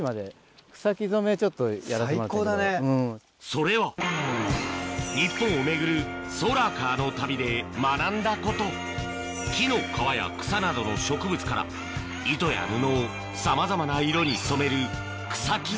それは日本を巡るソーラーカーの旅で学んだこと木の皮や草などの植物から糸や布をさまざまな色に染める草木